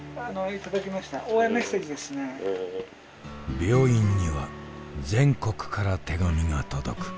病院には全国から手紙が届く。